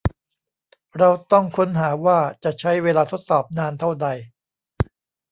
เราต้องค้นหาว่าจะใช้เวลาทดสอบนานเท่าใด